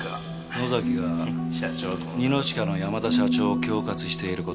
野崎がニノチカの山田社長を恐喝している事を。